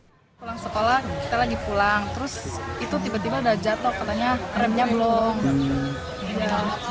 pulang sekolah kita lagi pulang terus itu tiba tiba udah jatuh katanya remnya belum